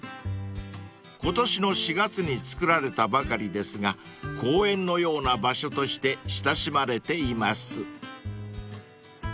［今年の４月に造られたばかりですが公園のような場所として親しまれています］